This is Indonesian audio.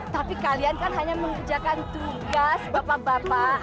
tapi kalian kan hanya mengerjakan tugas bapak bapak